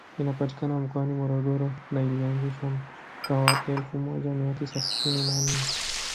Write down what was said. Inapatikana mkoani Morogoro na ilianzishwa mwaka wa elfu moja mia tisa sitini na nne